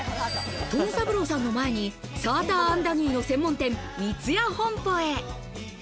豚三郎さんの前にサーターアンダギーの専門店、三矢本舗へ。